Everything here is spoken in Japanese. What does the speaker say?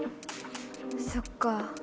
そっか。